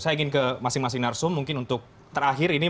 saya ingin ke masing masing narsum mungkin untuk terakhir ini